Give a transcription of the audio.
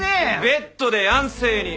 ベッドで安静に。